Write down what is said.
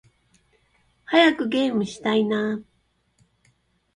早くゲームしたいな〜〜〜